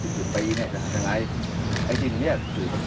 แล้วเรื่องนี้มันอยู่ในประเด็นเรื่องประดิษฐ์ที่มันตั้งไว้เดินอยู่แล้ว